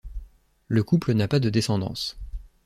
Le couple n'a pas de descendance.